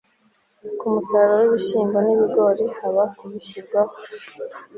ku musaruro w ibirayi n ibigori haba ku ishyirwaho